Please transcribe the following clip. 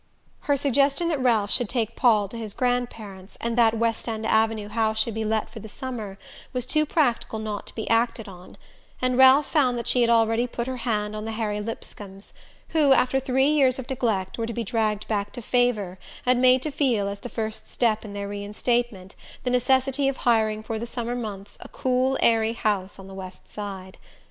Her suggestion that Ralph should take Paul to his grandparents, and that the West End Avenue house should be let for the summer, was too practical not to be acted on; and Ralph found she had already put her hand on the Harry Lipscombs, who, after three years of neglect, were to be dragged back to favour and made to feel, as the first step in their reinstatement, the necessity of hiring for the summer months a cool airy house on the West Side.